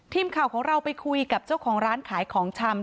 ทีมข่าวของเราไปคุยกับเจ้าของร้านขายของชำ